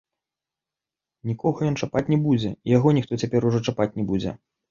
Нікога ён чапаць не будзе, і яго ніхто цяпер ужо чапаць не будзе.